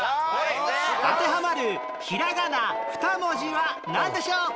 当てはまるひらがな２文字はなんでしょう？